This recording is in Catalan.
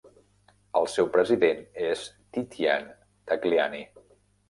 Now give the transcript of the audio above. El seu president és Titian Tagliani.